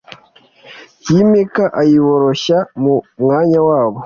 yimika abiyoroshya mu mwanya wabo